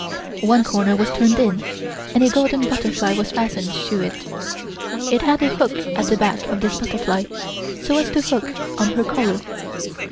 One corner was turned in, and a golden butterfly was fastened to it. It had a hook at the back of this butterfly so as to hook on her collar.